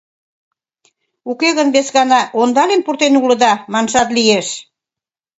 Уке гын вес гана «ондален пуртен улыда» маншат лиеш.